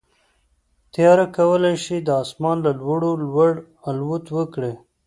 طیاره کولی شي د اسمان له لوړو لوړ الوت وکړي.